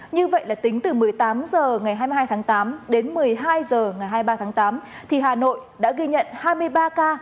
như vậy là tính từ một mươi tám h ngày hai mươi hai tháng tám đến một mươi hai h ngày hai mươi ba tháng tám thì hà nội đã ghi nhận hai mươi ba ca